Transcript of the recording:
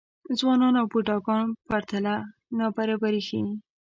ځوانان او بوډاګان پرتله نابرابري ښيي.